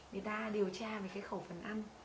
người ta điều tra về cái khẩu phần ăn